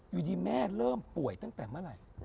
อยู่ดีแม่เริ่มป่วยตั้งแต่เมื่อไหร่